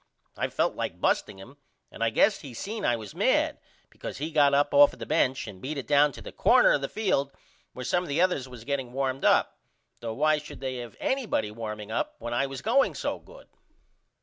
I felt like busting him and I guess he seen I was mad because he got up off the bench and beat it down to the corner of the field where some of the others was getting warmed up though why should they have anybody warming up when I was going so good?